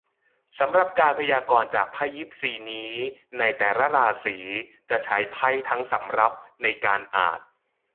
สำหรับการพยากรณ์จากไพ่ยิปซีนี้ ในแต่ละราศีจะใช้ไพ่ทั้งสำรับในการอ่าน